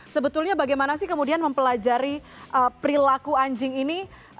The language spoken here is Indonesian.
sebetulnya bagaimana sih kemudian mempelajari perilaku anjing ini